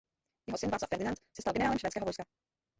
Jeho syn Václav Ferdinand se stal generálem švédského vojska.